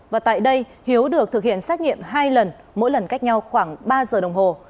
và tại đây hiếu được thực hiện xét nghiệm hai lần mỗi lần cách nhau khoảng ba giờ đồng hồ